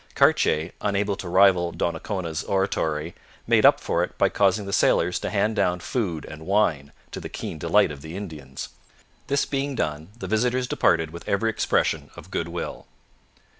Cartier, unable to rival Donnacona's oratory, made up for it by causing the sailors hand down food and wine, to the keen delight of the Indians. This being done, the visitors departed with every expression of good will.